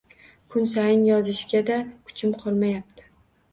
Kun sayin yozishga-da, kuchim qolmayapti